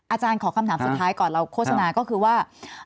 อาจารย์ขอคำถามสุดท้ายก่อนเราโฆษณาก็คือว่า